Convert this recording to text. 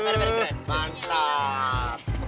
be gak apa apa be